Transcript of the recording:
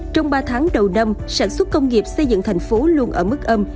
trong ba tháng đầu năm sản xuất công nghiệp xây dựng tp hcm luôn ở mức âm